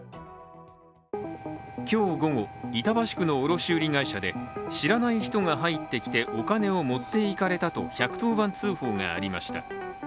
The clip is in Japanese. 今日午後、板橋区の卸売会社で知らない人が入ってきてお金を持っていかれたと１１０番通報がありました。